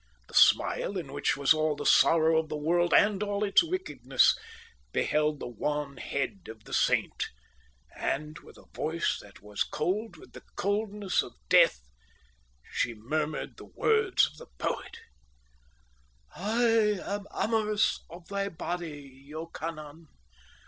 The smile, in which was all the sorrow of the world and all its wickedness, beheld the wan head of the Saint, and with a voice that was cold with the coldness of death she murmured the words of the poet: "I am amorous of thy body, Iokanaan!